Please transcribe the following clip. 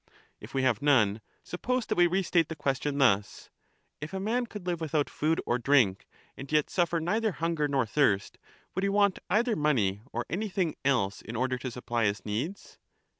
If we have none, suppose that we restate the question thus: — If a man could live without food or drink, and yet suffer neither hunger nor thirst, would he want either money or anything else in order to supply his needs?